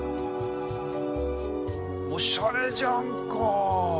おしゃれじゃんか。